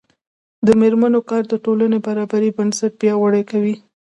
د میرمنو کار د ټولنې برابرۍ بنسټ پیاوړی کوي.